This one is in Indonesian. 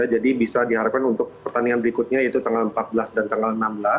jadi bisa diharapkan untuk pertandingan berikutnya yaitu tanggal empat belas dan tanggal enam belas